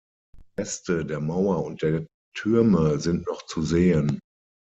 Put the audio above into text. Reste der Mauer und der Türme sind noch zu sehen.